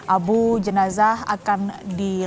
abu jenazah akan dilakukan